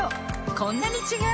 こんなに違う！